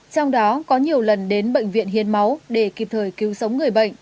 trong đó có nhiều lần đến bệnh viện hiến máu để kịp thời cứu sống người bệnh